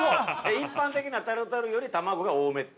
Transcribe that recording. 一般的なタルタルより卵が多めって？